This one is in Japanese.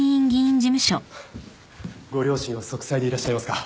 ご両親は息災でいらっしゃいますか？